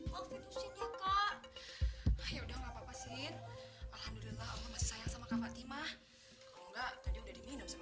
ya udah lupa pasir allah allahumma shai'an sama kak fatima kalau enggak tadi udah di minum